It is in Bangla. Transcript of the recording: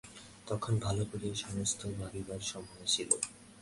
তখন ভালো করিয়া সমস্ত ভাবিবার সময় আসিল।